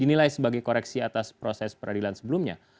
dinilai sebagai koreksi atas proses peradilan sebelumnya